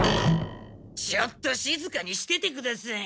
ちょっとしずかにしててください！